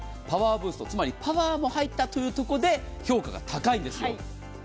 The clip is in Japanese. パワーブースト、つまりパワーも入ったというところで評価が高いんですよ。